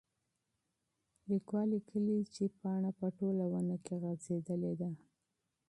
لیکوال لیکلي چې پاڼه په ټوله ونه کې غځېدلې ده.